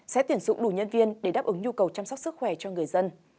sẽ tuyển dụng đủ nhân viên để đáp ứng nhu cầu chăm sóc sức khỏe cho người dân